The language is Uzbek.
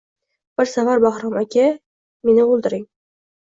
Bir safar Bahrom aka, meni o`ldiring